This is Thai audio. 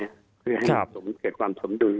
เพื่อให้สมเกิดความสมดุล